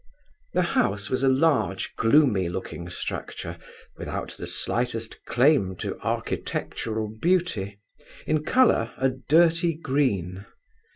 The house was a large gloomy looking structure, without the slightest claim to architectural beauty, in colour a dirty green.